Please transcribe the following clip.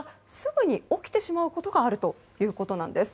また、すぐに起きてしまうことがあるということなんです。